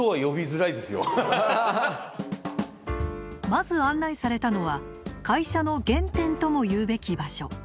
まず案内されたのは会社の「原点」とも言うべき場所。